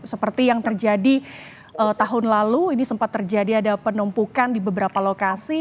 seperti yang terjadi tahun lalu ini sempat terjadi ada penumpukan di beberapa lokasi